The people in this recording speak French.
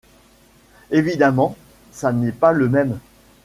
Évidemment, ça n’est pas le même.